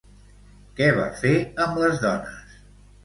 Què va fer amb les dones?